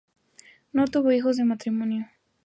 No tuvo hijos de este matrimonio.